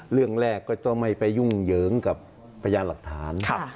เรื่องแรกก็จะไม่ไปยุ่งเหยิงกับพยานหลักฐาน